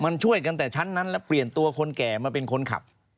มันช่วยกันแต่ชั้นนั้นแล้วเปลี่ยนตัวคนแก่มาเป็นคนขับ